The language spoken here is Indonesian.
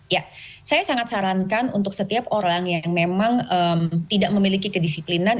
ya saya sangat sarankan untuk setiap orang yang memang tidak memiliki kedisiplinan